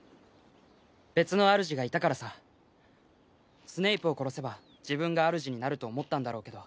別の主がいたからさスネイプを殺せば自分が主になると思ったんだろうけど